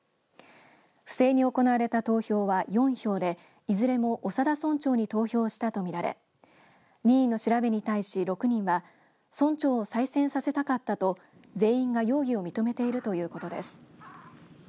不正に行われた投票は４票でいずれも長田村長に投票したと見られ任意の調べに対し６人は村長を再選させたかったと全員が容疑を認めているということです。